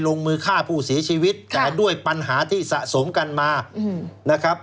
ลงมือฆ่าผู้เสียชีวิตแต่ด้วยปัญหาที่สะสมกันมานะครับ